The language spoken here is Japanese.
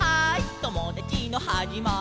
ともだちのはじまりは」